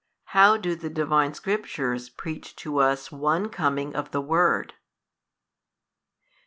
how do the Divine Scriptures preach to us one Coming of the Word? 26.